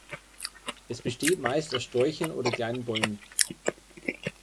Es besteht meist aus Sträuchern oder kleinen Bäumen.